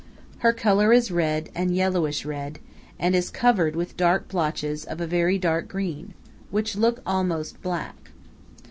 Her color is red and yellowish red, and is covered with dark blotches of a very dark green, which look almost black.